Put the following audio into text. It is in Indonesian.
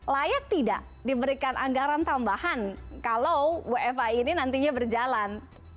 layak tidak diberikan anggaran tambahan kalau wfa ini nantinya berjalan